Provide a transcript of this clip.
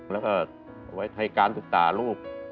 แล้วก็เวทย์การศึกษาลูก